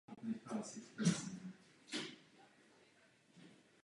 K novým úkolům patří podpora a pomoc při vytváření nových bezpečnostních složek státu.